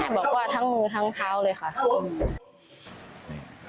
บอกว่าทั้งมือทั้งเท้าเลยค่ะ